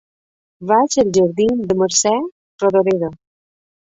Vaig als jardins de Mercè Rodoreda.